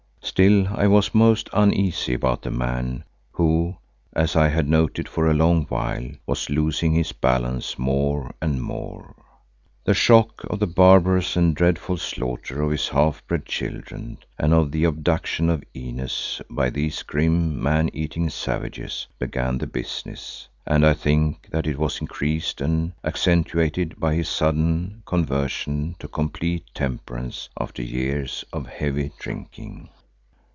Still I was most uneasy about the man who, as I had noted for a long while, was losing his balance more and more. The shock of the barbarous and dreadful slaughter of his half breed children and of the abduction of Inez by these grim, man eating savages began the business, and I think that it was increased and accentuated by his sudden conversion to complete temperance after years of heavy drinking.